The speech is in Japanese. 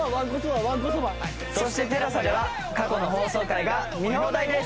そしてＴＥＬＡＳＡでは過去の放送回が見放題です。